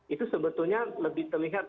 itu sebetulnya lebih terlihat